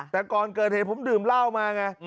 แต่ก่อนเกิดเหตุผมดื่มเหล้ามาไง